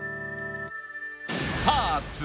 さあ